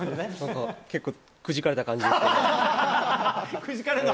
結構くじかれた感じですけど。